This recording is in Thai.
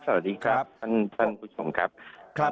สวัสดีครับท่านผู้ชมครับ